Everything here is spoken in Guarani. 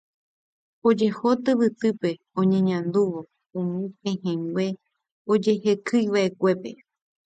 ojeho tyvytýpe oñe'andúvo umi pehẽngue ojehekyi'akuépe.